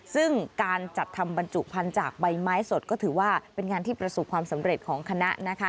ซึ่งการจัดทำบรรจุพันธุ์จากใบไม้สดก็ถือว่าเป็นงานที่ประสบความสำเร็จของคณะนะคะ